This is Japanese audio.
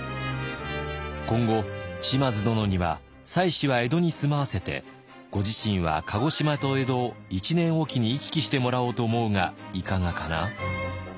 「今後島津殿には妻子は江戸に住まわせてご自身は鹿児島と江戸を１年おきに行き来してもらおうと思うがいかがかな？」。